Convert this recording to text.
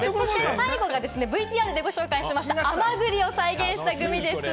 最後はＶＴＲでご紹介した甘栗を再現したグミです。